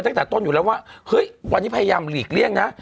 ตั้งแต่ต้นอยู่แล้วว่าเฮ้ยวันนี้พยายามหลีกเลี่ยงนะ